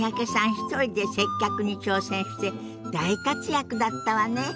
一人で接客に挑戦して大活躍だったわね。